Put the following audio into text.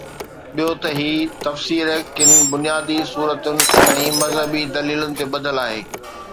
ٻيو ته هي تفسير ڪن بنيادي صورتن ۽ مذهبي دليلن تي ٻڌل آهي.